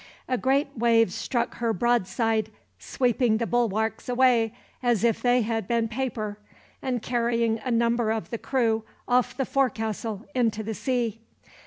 A great wave struck her broadside, sweeping the bulwarks away as if they had been paper, and carrying a number of the crew off the forecastle into the sea.